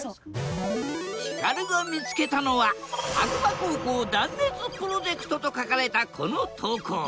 ヒカルが見つけたのは白馬高校断熱プロジェクトと書かれたこの投稿。